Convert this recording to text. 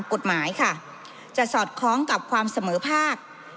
กฎหมายค่ะจะสอดคล้องกับความเสมอภาค